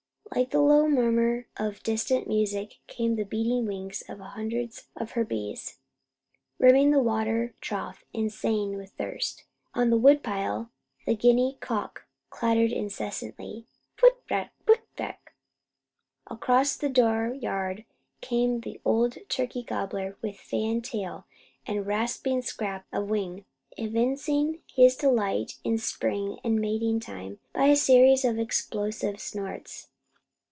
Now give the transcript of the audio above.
Like the low murmur of distant music came the beating wings of hundreds of her bees, rimming the water trough, insane with thirst. On the wood pile the guinea cock clattered incessantly: "Phut rack! Phut rack!" Across the dooryard came the old turkey gobbler with fan tail and a rasping scrape of wing, evincing his delight in spring and mating time by a series of explosive snorts.